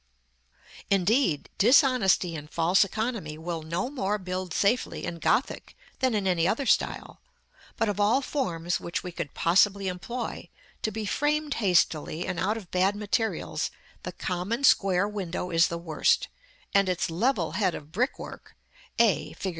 [Illustration: Fig. XXXV.] § XLVIII. Indeed, dishonesty and false economy will no more build safely in Gothic than in any other style: but of all forms which we could possibly employ, to be framed hastily and out of bad materials, the common square window is the worst; and its level head of brickwork (a, Fig.